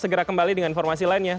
pakar kamar jaya pakar kamar jaya